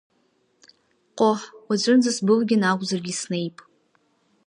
Ҟоҳ, уаҵәынӡа сбылгьаны акәзаргьы снеип!